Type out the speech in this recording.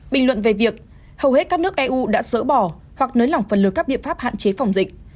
bình luận về việc hầu hết các nước eu đã dỡ bỏ hoặc nới lỏng phần lừa các biện pháp hạn chế phòng dịch